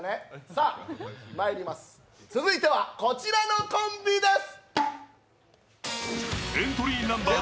さあ、まいります、続いてはこちらのコンビです。